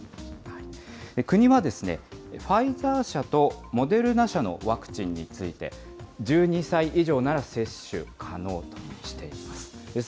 国はファイザー社とモデルナ社のワクチンについて、１２歳以上なら接種可能としています。